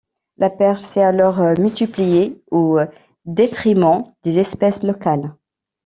La perche s'est alors multipliée au détriment des espèces locales.